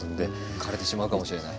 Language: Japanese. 枯れてしまうかもしれない。